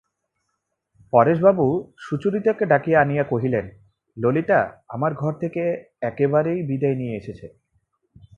পরেশবাবু সুচরিতাকে ডাকাইয়া আনিয়া কহিলেন, ললিতা আমার ঘর থেকে একেবারে বিদায় নিয়ে এসেছে।